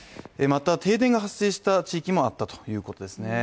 また停電が発生した地域もあったということですね